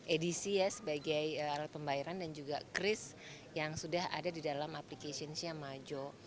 edc sebagai alat pembayaran dan juga cris yang sudah ada di dalam aplikasi majo